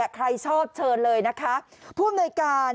ใครชอบเชิญเลยนะคะพูดในการ